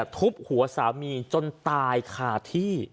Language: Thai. ทุบหัวสามีจนตายคาที่